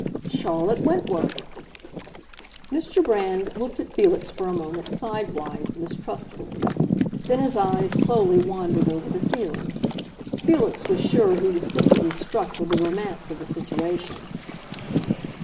"Charlotte Wentworth!" Mr. Brand looked at Felix for a moment sidewise, mistrustfully; then his eyes slowly wandered over the ceiling. Felix was sure he was secretly struck with the romance of the situation.